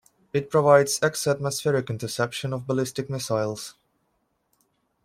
It provides exo-atmospheric interception of ballistic missiles.